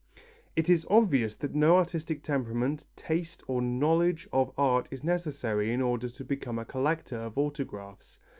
It is obvious that no artistic temperament, taste or knowledge of art is necessary in order to become a collector of autographs.